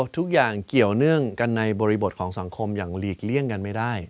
ทุกอย่างเกี่ยวเนื่องกันในบริบทของสังคมอย่างหลีกเลี่ยงกันไม่ได้